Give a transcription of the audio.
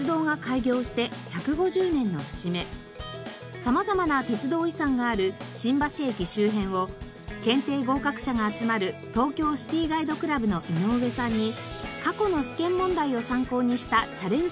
様々な鉄道遺産がある新橋駅周辺を検定合格者が集まる東京シティガイドクラブの井上さんに過去の試験問題を参考にしたチャレンジ